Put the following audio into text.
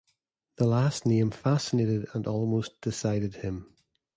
The last name fascinated and almost decided him.